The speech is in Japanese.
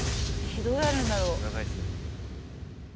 どうやるんだろう？